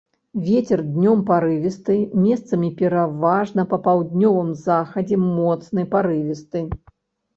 Вецер днём парывісты, месцамі, пераважна па паўднёвым захадзе, моцны парывісты.